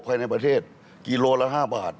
ภายในประเทศกิโลละ๕บาท